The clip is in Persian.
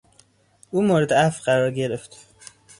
او مورد عفو قرار گرفت.